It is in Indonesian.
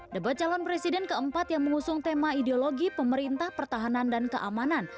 debat calon presiden keempat yang mengusung tema ideologi pemerintah pertahanan dan keamanan